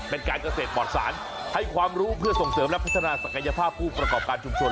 เป็นการเกษตรปลอดสารให้ความรู้เพื่อส่งเสริมและพัฒนาศักยภาพผู้ประกอบการชุมชน